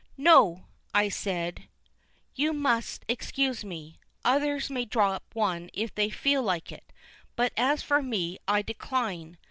"No!" I said, "you must excuse me. Others may drop one if they feel like it; but as for me, I decline.